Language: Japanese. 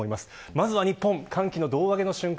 まずは日本、歓喜の胴上げの瞬間